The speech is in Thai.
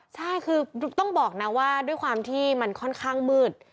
ใช่คือต้องบอกนะว่าด้วยความที่มันค่อนข้างมืด